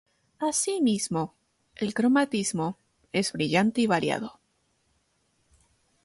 Asimismo, el cromatismo es brillante y variado.